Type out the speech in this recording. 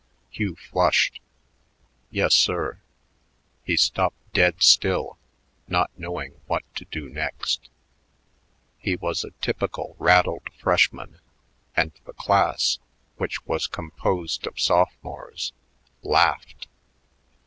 Hugh flushed. "Yes, sir." He stopped dead still, not knowing what to do next. He was a typical rattled freshman, and the class, which was composed of sophomores, laughed.